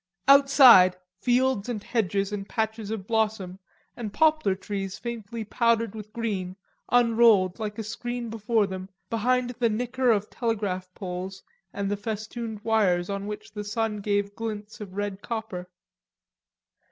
Outside, fields and hedges and patches of blossom, and poplar trees faintly powdered with green, unrolled, like a scroll before them, behind the nicker of telegraph poles and the festooned wires on which the sun gave glints of red copper.